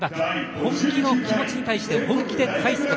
本気の気持ちに対して本気で返すこと。